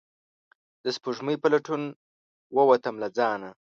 د سپوږمۍ په لټون ووتم له ځانه